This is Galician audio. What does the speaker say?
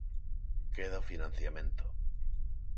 Queda o financiamento.